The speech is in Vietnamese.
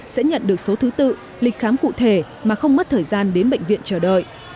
sẽ nhận được số thứ tự lịch khám cụ thể mà không mất thời gian đến bệnh viện chờ đợi